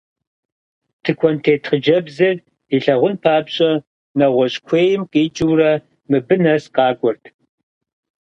Тыкуэнтет хъыджэбзыр илъагъун папщӏэ, нэгъуэщӏ куейм къикӏыурэ мыбы нэс къакӏуэрт.